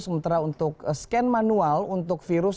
sementara untuk scan manual untuk virus